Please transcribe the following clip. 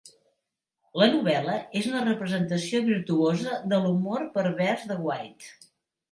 La novel·la és una representació virtuosa de l'humor "pervers" de White.